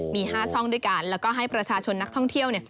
มี๕ช่องด้วยกันแล้วก็ให้ประชาชนนักท่องเที่ยว